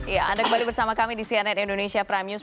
ya anda kembali bersama kami di cnn indonesia prime news